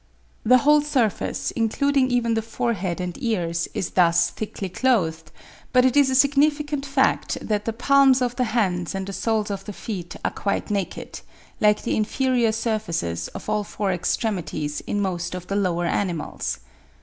The whole surface, including even the forehead and ears, is thus thickly clothed; but it is a significant fact that the palms of the hands and the soles of the feet are quite naked, like the inferior surfaces of all four extremities in most of the lower animals.